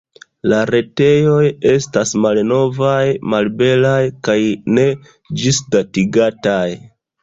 La retejoj estas malnovaj, malbelaj kaj ne ĝisdatigataj.